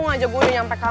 masuk kuliah dulu